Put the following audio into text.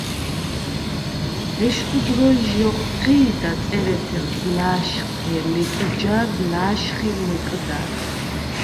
ეშხუ დროჲჟი ოხჴი̄და წერეთელს ლა̄შხთე ლეკი ჯარ ლა̄შხი მჷკდად.